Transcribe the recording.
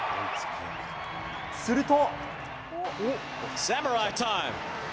すると。